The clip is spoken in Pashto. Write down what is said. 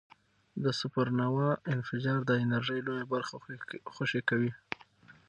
د سوپرنووا انفجار د انرژۍ لویه برخه خوشې کوي.